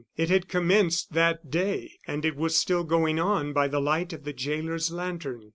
It had commenced that day, and it was still going on by the light of the jailer's lantern.